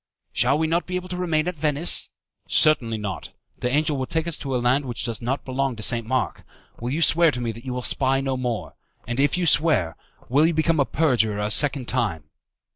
"Shall we not be able to remain at Venice?" "Certainly not. The angel will take us to a land which does not belong to St. Mark. Will you swear to me that you will spy no more? And if you swear, will you become a perjurer a second time?"